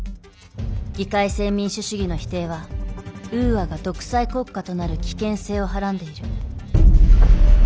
議会制民主主義の否定はウーアが独裁国家となる危険性をはらんでいる。